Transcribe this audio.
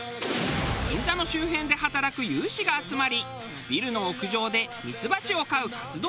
銀座の周辺で働く有志が集まりビルの屋上でミツバチを飼う活動をスタート。